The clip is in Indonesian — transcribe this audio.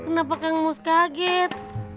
kenapa kang mus kaget